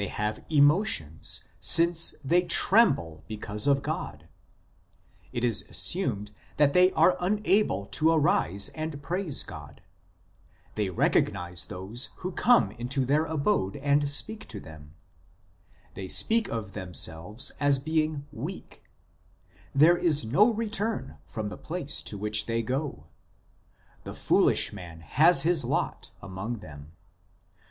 THE REPHAIM 65 emotions, since they tremble because of God ; it is assumed that they are unable to arise and praise God ; they recog nize those who come into their abode and speak to them ; they speak of themselves as being " weak "; there is no return from the place to which they go ; the foolish man has his lot among them.